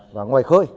và ngoài khơi